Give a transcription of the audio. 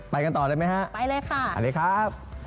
ไปกันต่อได้ไหมฮะอันนี้ครับไปเลยค่ะไปเลยค่ะ